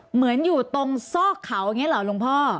เหมือนอยู่ตรงซอกเขาอย่างนี้เหรอหลวงพ่อ